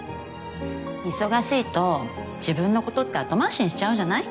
忙しいと自分のことって後回しにしちゃうじゃない？